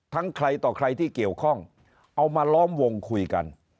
ใครต่อใครที่เกี่ยวข้องเอามาล้อมวงคุยกัน